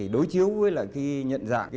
đối chiếu với nhận dạng